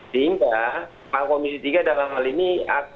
sehingga komisi tiga dalam hal ini